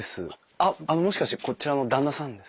あっもしかしてこちらの旦那さんですか？